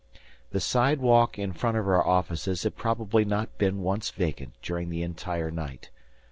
The sidewalk in front of our offices had probably not been once vacant during the entire night.